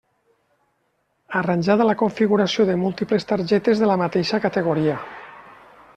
Arranjada la configuració de múltiples targetes de la mateixa categoria.